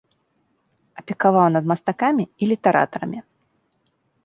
Апекаваў над мастакамі і літаратарамі.